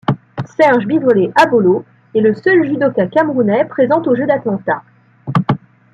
Serge Biwole Abolo est le seul judoka camerounais présent aux Jeux d'Atlanta.